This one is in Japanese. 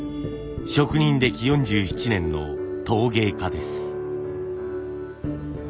職人歴４７年の陶芸家です。